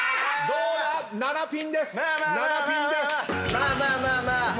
まあまあまあまあ。